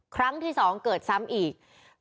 ครั้งที่๒เกิดซ้ำอีก